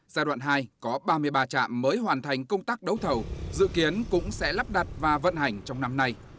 giai đoạn hai có ba mươi ba trạm mới hoàn thành công tác đấu thầu dự kiến cũng sẽ lắp đặt và vận hành trong năm nay